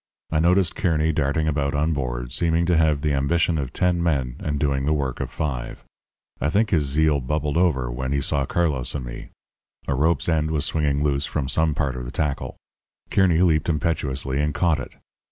I noticed Kearny darting about on board, seeming to have the ambition of ten men, and doing the work of five. I think his zeal bubbled over when he saw Carlos and me. A rope's end was swinging loose from some part of the tackle. Kearny leaped impetuously and caught it.